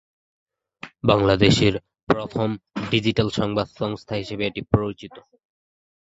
বাংলাদেশের প্রথম ডিজিটাল সংবাদ সংস্থা হিসেবে এটি পরিচিত।